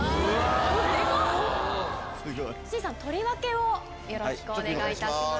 取り分けをよろしくお願いいたします。